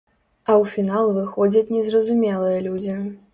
А ў фінал выходзяць незразумелыя людзі.